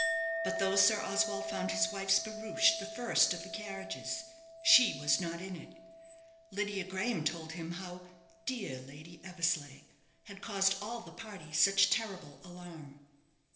But though Sir Oswald found his wife's barouche the first of the carriages, she was not in it. Lydia Graham told him how "dear Lady Eversleigh" had caused all the party such terrible alarm.